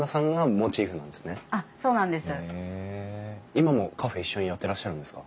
今もカフェ一緒にやってらっしゃるんですか？